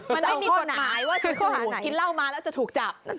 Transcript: มันไม่มีจุดหมายว่าคิดเหล้ามาแล้วจะถูกจับ